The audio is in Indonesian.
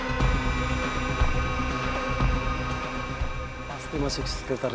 kalau lagi lu mau lu tuh nusahin gue tau gak